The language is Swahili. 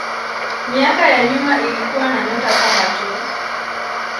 Miaka ya nyuma ilikuwa na nyota saba tu.